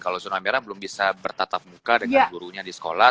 kalau zona merah belum bisa bertatap muka dengan gurunya di sekolah